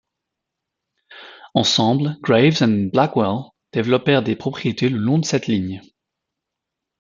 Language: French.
Ensemble, Graves and Blackwell développèrent des propriétés le long de cette ligne.